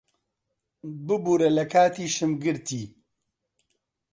ببوورە لە کاتیشم گرتی.